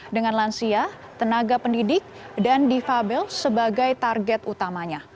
dengan lansia tenaga pendidik dan difabel sebagai target utamanya